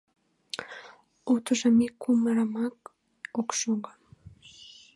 Утыжым ик кумырымат ок шого...